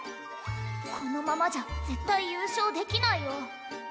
このままじゃ絶対優勝できないよ。